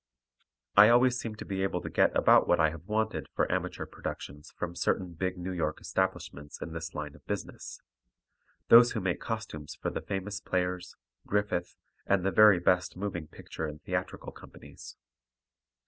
I always seem to be able to get about what I have wanted for amateur productions from certain big New York establishments in this line of business; those who make costumes for the Famous Players, Griffith, and the very best moving picture and theatrical companies.